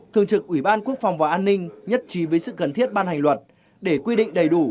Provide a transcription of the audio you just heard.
thường trực ủy ban quốc phòng và an ninh nhất trí với sự cần thiết ban hành luật để quy định đầy đủ